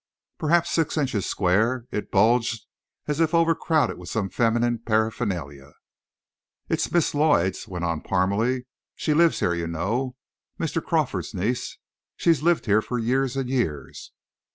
Perhaps six inches square, it bulged as if overcrowded with some feminine paraphernalia. "It's Miss Lloyd's," went on Parmalee. "She lives here, you know Mr. Crawford's niece. She's lived here for years and years."